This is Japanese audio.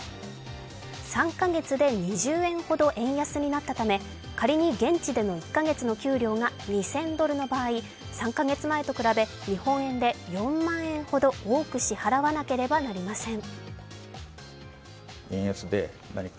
３カ月で２０円ほど円安になったため仮に現地での１カ月の給料が２０００ドルの場合、３カ月前と比べ日本円で４万円ほど多く支払わなければなりません。